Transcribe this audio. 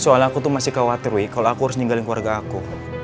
soalnya aku tuh masih khawatir wi kalau aku harus ninggalin keluarga aku